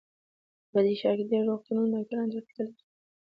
په دې ښار کې ډېر روغتونونه ډاکټرانو ته اړتیا لري